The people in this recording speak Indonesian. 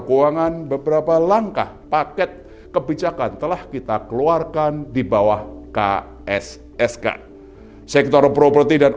keuangan beberapa langkah paket kebijakan telah kita keluarkan di bawah kssk sektor properti dan